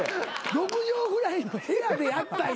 ６畳ぐらいの部屋でやったんや。